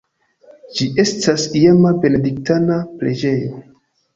Ĝi estas iama benediktana preĝejo.